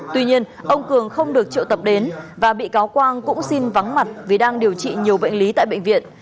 luật sư đã được triệu tập đến và bị cáo quang cũng xin vắng mặt vì đang điều trị nhiều bệnh lý tại bệnh viện